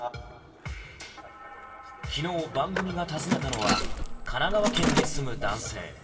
昨日、番組が訪ねたのは神奈川県に住む男性。